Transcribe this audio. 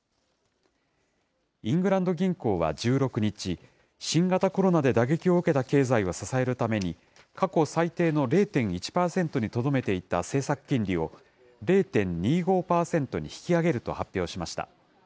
イングランド銀行は１６日、新型コロナで打撃を受けた経済を支えるために過去最低の０．１％にとどめていた政策金利を、０．２５％に引き上げると発表しました。